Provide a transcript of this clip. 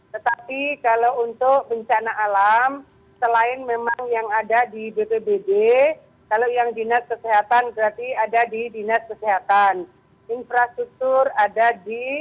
tetapi kalau untuk bencana alam selain memang yang ada di bpbd kalau yang dinas kesehatan berarti ada di dinas kesehatan infrastruktur ada di